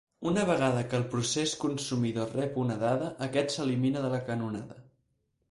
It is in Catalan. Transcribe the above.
Una vegada que el procés consumidor rep una dada, aquest s'elimina de la canonada.